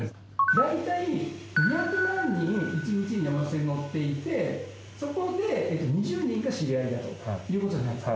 大体２００万人一日に山手線に乗っていてそこで２０人が知り合いだということじゃないですか。